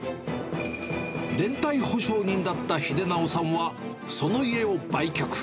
連帯保証人だった秀尚さんは、その家を売却。